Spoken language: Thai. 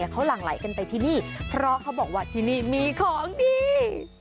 เขาหลั่งไหลกันไปที่นี่เพราะเขาบอกว่าที่นี่มีของดี